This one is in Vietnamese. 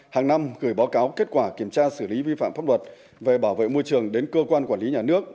hàng năm gửi báo cáo kết quả kiểm tra xử lý vi phạm pháp luật về bảo vệ môi trường đến cơ quan quản lý nhà nước